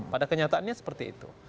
pada kenyataannya seperti itu